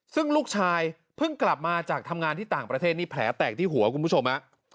ซึ่งลูกชายเพิ่งกลับมาจากทำงานที่ต่างประเทศนี่แผลแตกที่หัวคุณผู้ชมฮะ